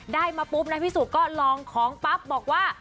ได้มาปุ๊บนะพี่สุก็ลองของปั๊บบอกว่า